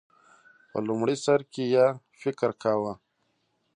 په لومړی سر کې یې فکر کاوه